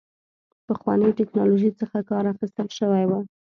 پخوانۍ ټکنالوژۍ څخه کار اخیستل شوی و.